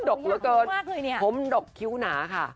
ดอกเยอะเกินผมดอกคิ้วหนาค่ะ